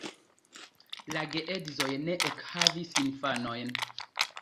La geedzoj ne ekhavis infanojn.